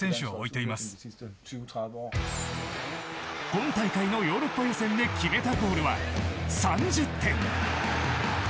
今大会のヨーロッパ予選で決めたゴールは３０点。